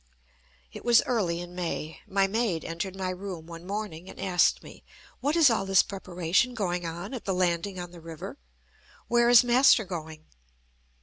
It was early in May. My maid entered my room one morning, and asked me: "What is all this preparation going on at the landing on the river? Where is Master going?"